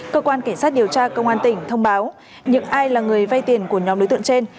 cơ quan cảnh sát điều tra công an tỉnh thông báo những ai là người vay tiền của nhóm đối tượng trên